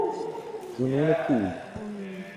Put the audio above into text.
جنون پول